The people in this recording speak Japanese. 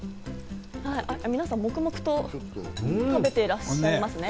皆さん黙々と食べていらっしゃいますね。